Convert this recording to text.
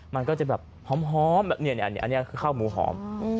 มันก็จะแบบหอมแบบนี้อันนี้คือข้าวหมูหอม